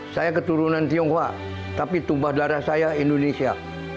saya keturunan tionghoa tapi tumpah darah saya indonesia